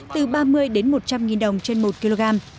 từ ba mươi đến một trăm linh nghìn đồng trên một kg